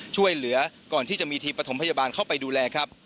ช่วยเหลือก่อนที่จะมีทีมประถมพยาบาลเข้าไปดูแลครับ